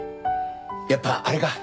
やっぱあれか？